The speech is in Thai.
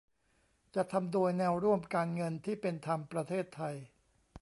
จัดทำโดย แนวร่วมการเงินที่เป็นธรรมประเทศไทย